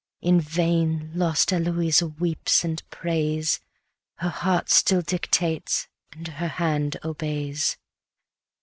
In vain lost Eloisa weeps and prays, Her heart still dictates, and her hand obeys.